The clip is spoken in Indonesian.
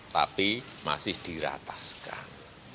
tapi masih dirataskan